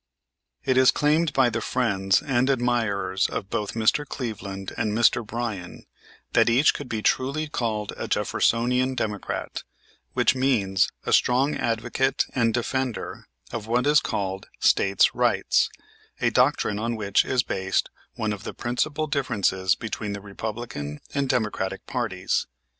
It is claimed by the friends and admirers of both Mr. Cleveland and Mr. Bryan that each could be truly called a Jeffersonian Democrat; which means a strong advocate and defender of what is called States Rights, a doctrine on which is based one of the principal differences between the Republican and Democratic parties.